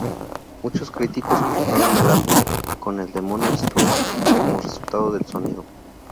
Muchos críticos compararon el álbum con "The Money Store" como resultado del sonido.